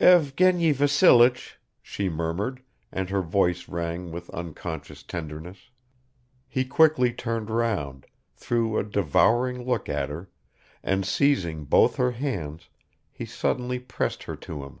"Evgeny Vassilich ...," she murmured, and her voice rang with unconscious tenderness. He quickly turned round, threw a devouring look at her and seizing both her hands, he suddenly pressed her to him.